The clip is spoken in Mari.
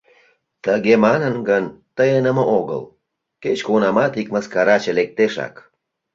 — Тыге манын гын, тыйыным огыл! — кеч-кунамат ик мыскараче лектешак.